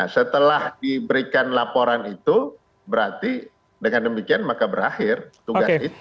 setelah diberikan laporan itu berarti dengan demikian maka berakhir tugas itu